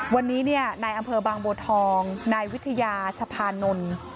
วันนี้นายอำเภอบางบัวทองนายวิทยาชะพานนท์